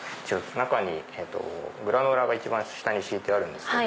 中にグラノーラが一番下に敷いてあるんですけど。